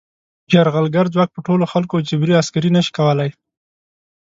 یرغلګر ځواک په ټولو خلکو جبري عسکري نه شي کولای.